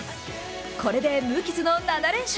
これで無傷の７連勝。